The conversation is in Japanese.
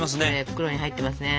袋に入ってますね。